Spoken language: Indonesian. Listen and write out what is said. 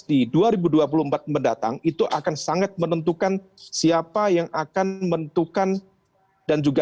di dua ribu dua puluh empat mendatang itu akan sangat menentukan siapa yang akan menentukan dan juga